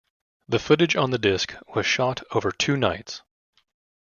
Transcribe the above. The footage on the disc was shot over two nights.